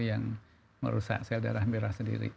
yang merusak sel darah merah sendiri